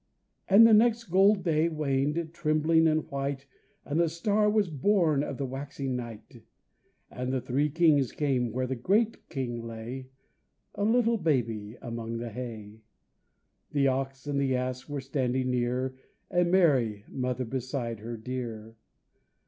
And the next gold day waned trembling and white And the star was born of the waxing night. And the three kings came where the Great King lay, A little baby among the hay, The ox and the ass were standing near And Mary Mother beside her Dear.